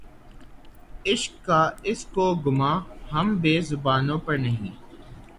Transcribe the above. عشق کا‘ اس کو گماں‘ ہم بے زبانوں پر نہیں